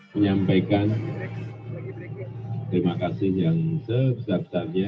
menyampaikan terima kasih yang sebesar besarnya